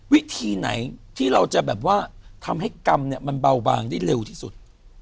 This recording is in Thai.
วิธีไหนที่เราจะแบบว่าทำให้กรรมเนี่ยมันเบาบางได้เร็วที่สุด